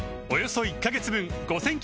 およそ１カ月分